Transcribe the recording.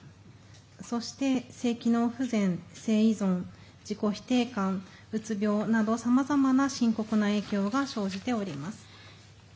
そして、性機能不全、性異常自己否定感、うつ病などさまざまな深刻な影響が生じております。